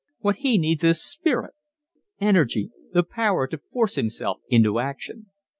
What he needs is spirit! Energy the power to force himself into action!